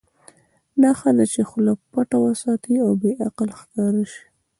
دا ښه ده چې خوله پټه وساتې او بې عقل ښکاره شې.